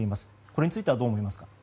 これについてはどう思いますか。